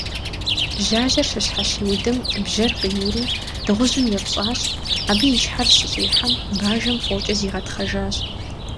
Жьажьэр щыщхьэщиудым, бжьэр къиури, дыгъужьым епщӏащ, абы и щхьэр щыщӏихьэм, бажэм фокӏэ зигъэтхъэжащ.